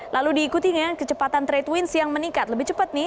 lalu diikutinya kecepatan trade winds yang meningkat lebih cepat nih